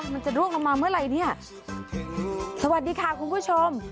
มันจะร่วงลงมาเมื่อไหร่เนี่ยสวัสดีค่ะคุณผู้ชม